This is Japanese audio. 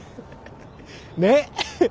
ねっ。